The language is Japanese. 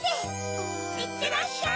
いってらっしゃい！